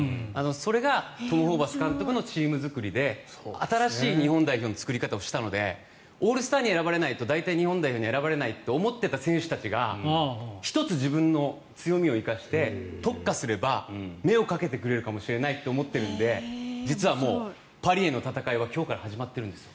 それがトム・ホーバス監督のチーム作りで新しい日本代表の作り方をしたのでオールスターに選ばれないと大体、日本代表に選ばれないと思っていた選手たちが１つ自分の強みを生かして特化すれば目をかけてくれるかもしれないと思っているので実はもうパリへの戦いは今日から始まってるんですよ